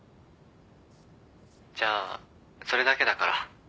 じゃあそれだけだから。